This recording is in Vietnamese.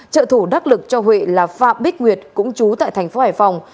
trợ thủ đắc lực cho huệ là phạm bích nguyệt cũng chú tại thành phố hải phòng